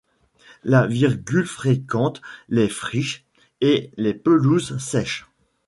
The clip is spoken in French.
La Virgule fréquente les friches et les pelouses sèches.